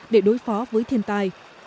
để đối phó với thiên tai